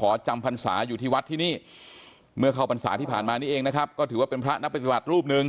ขอจำพรรษาอยู่ที่วัดที่นี่เมื่อเข้าพรรษาที่ผ่านมานี่เองนะครับก็ถือว่าเป็นพระนักปฏิบัติรูปหนึ่ง